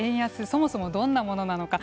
そもそもどんなものなのか。